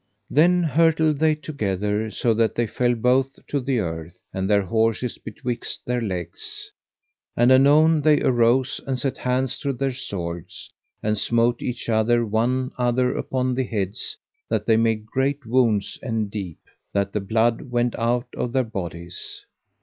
Then hurtled they together, so that they fell both to the earth, and their horses betwixt their legs; and anon they arose, and set hands to their swords, and smote each one other upon the heads, that they made great wounds and deep, that the blood went out of their bodies.